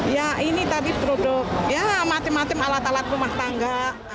ya ini tadi produk ya matem matem alat alat rumah tangga